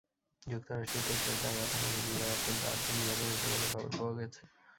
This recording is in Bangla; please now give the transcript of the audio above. যুক্তরাষ্ট্রের টেক্সাসে আঘাত হানা ঘূর্ণিঝড়ে অন্তত আটজন নিহত হয়েছে বলে খবর পাওয়া গেছে।